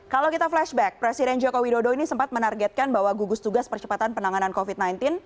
kalau kita flashback presiden joko widodo ini sempat menargetkan bahwa gugus tugas percepatan penanganan covid sembilan belas